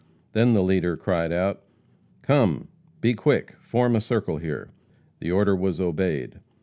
Then the leader cried out: "Come! be quick, form a circle here!" The order was obeyed.